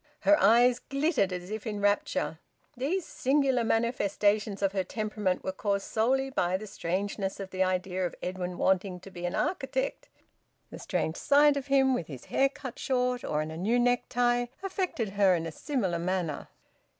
Her eyes glittered, as if in rapture. These singular manifestations of her temperament were caused solely by the strangeness of the idea of Edwin wanting to be an architect. The strange sight of him with his hair cut short or in a new neck tie affected her in a similar manner.